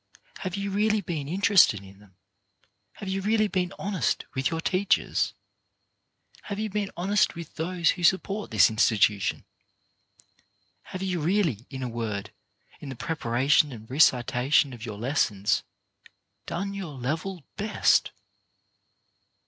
Have you really been interested in them? Have you really been honest with your teachers? Have you been honest with those who support this institution? Have you really, in a word, in the preparation and recitation of your lessons, done your level best